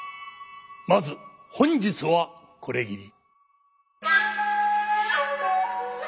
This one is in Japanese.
まず本日はこれぎり。